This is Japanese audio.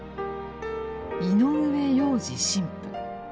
井上洋治神父。